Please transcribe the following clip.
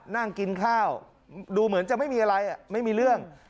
นั่งกินข้าวดูเหมือนจะไม่มีอะไรไม่มีเรื่อง